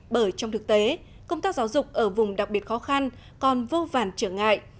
bởi trong thực tế công tác giáo dục ở vùng đặc biệt khó khăn còn vô vàn trở ngại